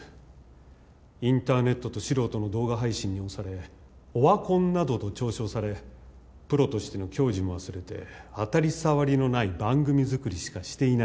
インターネットと素人の動画配信に押され「オワコン」などと嘲笑されプロとしての矜持も忘れて当たり障りのない番組作りしかしていない。